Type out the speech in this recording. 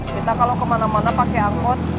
kita kalau kemana mana pakai angkot